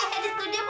yang berjudul asyik